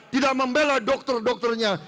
tidak membela dokter dokternya